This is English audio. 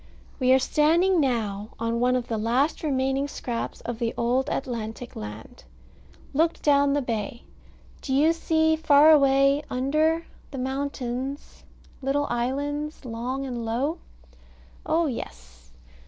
We are standing now on one of the last remaining scraps of the old Atlantic land. Look down the bay. Do you see far away, under, the mountains, little islands, long and low? Oh, yes.